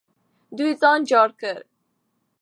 دوی ځان جار کړ.